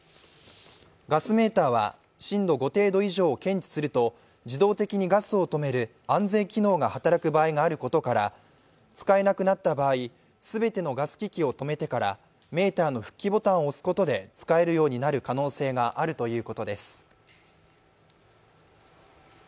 ガスメーターは震度５程度以上を検知すると自動的にガスを止める安全機能が働く場合があることから使えなくなった場合、全てのガス機器を止めてからメーターの復帰ボタンを押すことで使えるようになる可能性があるということです。